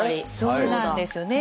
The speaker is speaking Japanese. そうなんですよね。